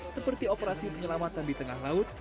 seperti operasi penyelamatan di tengah laut